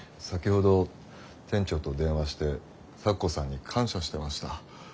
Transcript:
先ほど店長と電話して咲子さんに感謝してました。